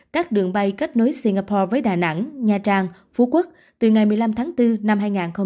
các đường bay kết nối singapore với đà nẵng nha trang phú quốc từ ngày một mươi năm tháng bốn năm hai nghìn hai mươi